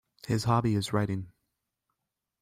His hobby is writing.